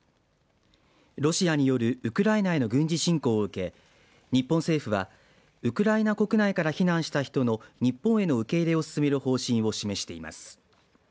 ロシアによるウクライナへの軍事侵攻を受け日本政府はウクライナ国内から避難した人の日本への受け入れを進める方針を示しています。